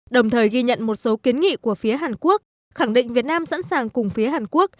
đồng thời ghi nhận một số kiến nghị của phía hàn quốc khẳng định việt nam sẵn sàng cùng phía hàn quốc